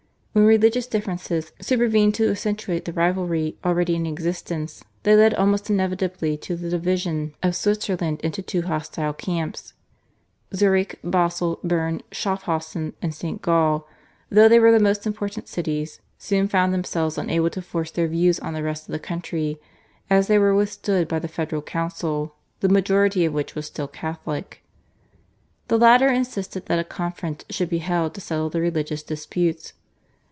When religious differences supervened to accentuate the rivalry already in existence, they led almost inevitably to the division of Switzerland into two hostile camps. Zurich, Basle, Berne, Schaffhausen, and St. Gall, though they were the most important cities, soon found themselves unable to force their views on the rest of the country, as they were withstood by the federal council, the majority of which was still Catholic. The latter insisted that a conference should be held to settle the religious disputes.